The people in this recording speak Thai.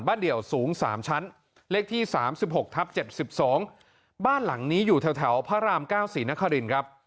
เดี่ยวสูง๓ชั้นเลขที่๓๖ทับ๗๒บ้านหลังนี้อยู่แถวพระราม๙ศรีนครินครับ